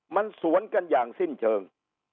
มันสวนกันอย่างสิ้นเชิง